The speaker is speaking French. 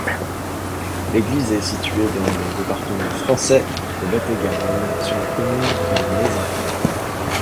L'église est située dans le département français de Lot-et-Garonne, sur la commune de Mézin.